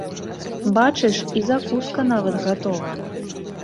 Бачыш, і закуска нават гатова!